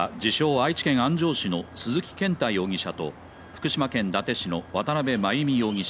愛知県安城市の鈴木健太容疑者と福島県伊達市の渡邉真由美容疑者